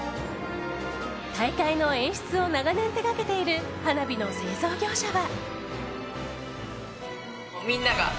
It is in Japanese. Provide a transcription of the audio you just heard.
大会の演出を長年、手がけている花火の製造業者は。